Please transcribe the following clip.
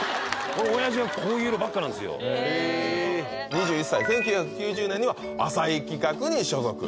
２１歳１９９０年には浅井企画に所属